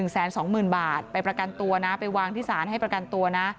๑๒๐๐๐บาทไปประกันตัวนะไปวางที่สารให้ประกันตัวนะ